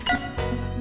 thì các bạn phải đi